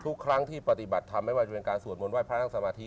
ทุกครั้งที่ปฏิบัติทำแม้ว่าจริงการสวดมนต์ไหว้พระนักสมาธิ